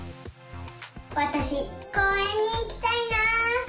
わたしこうえんにいきたいな。